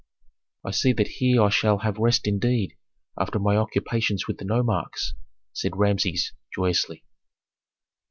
"I see that here I shall have rest indeed after my occupations with the nomarchs," said Rameses, joyously.